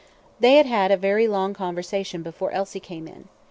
They had had a very long conversation before Elsie came in.